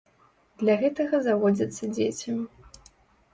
Для гэтага заводзяцца дзеці.